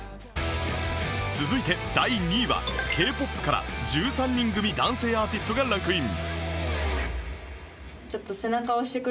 続いて第２位は Ｋ−ＰＯＰ から１３人組男性アーティストがランクイン